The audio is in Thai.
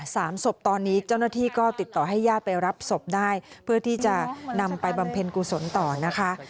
สามศพตอนนี้เจ้าหน้าที่ก็ติดต่อให้ญาติไปรับศพได้เพื่อที่จะนำไปบำเพ็ญกุศลต่อนะคะ